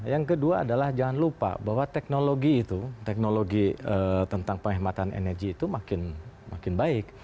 yang kedua adalah jangan lupa bahwa teknologi itu teknologi tentang penghematan energi itu makin baik